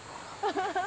ハハハ。